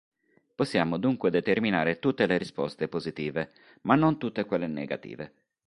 Possiamo dunque determinare tutte le risposte positive, ma non tutte quelle negative.